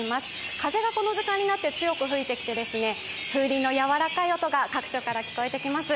風がこの時間になって強く吹いてきて、風鈴のやわらかい音が各所から聞こえてきます。